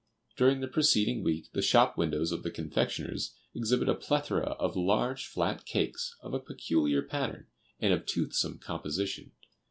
During the preceding week, the shop windows of the confectioners exhibit a plethora of large, flat cakes, of a peculiar pattern and of toothsome composition.